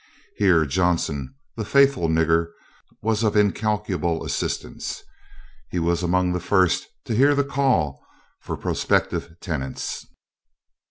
Here Johnson, the "faithful nigger," was of incalculable assistance. He was among the first to hear the call for prospective tenants.